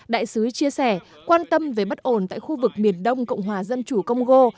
đại sứ chia sẻ quan tâm về bất ổn tại khu vực miền đông cộng hòa dân chủ congo